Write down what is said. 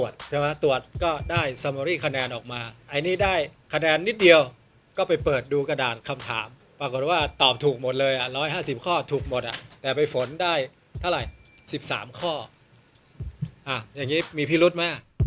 อย่างนี้มีพิรุธมาก